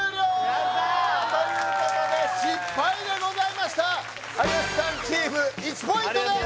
やった！ということで失敗でございました有吉さんチーム１ポイントです